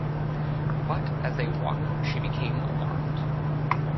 But as they walked she became alarmed.